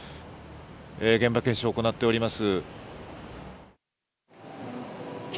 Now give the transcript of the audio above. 現場検証を行っております。